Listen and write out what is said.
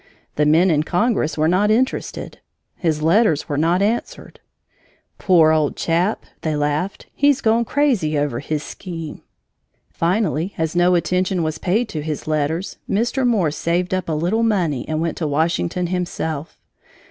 The men in Congress were not interested. His letters were not answered. "Poor old chap," they laughed, "he's gone crazy over his scheme!" Finally, as no attention was paid to his letters, Mr. Morse saved up a little money and went to Washington himself.